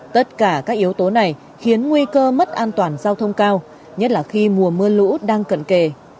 tất cả các yếu tố này khiến nguy cơ mất an toàn giao thông cao nhất là khi mùa mưa lũ đang cận kề